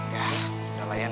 ya udah lah ian